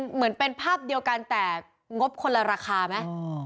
เหมือนเป็นภาพเดียวกันแต่งบคนละราคาไหม